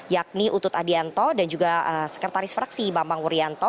yakni utut adianto dan juga sekretaris fraksi bambang wuryanto